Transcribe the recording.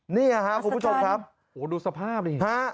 นี่ครับคุณผู้ชมครับโอ้ดูสภาพดิฮะ